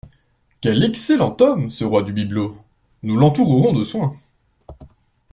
Quel excellent homme, ce roi du bibelot ! Nous l'entourerons de soins.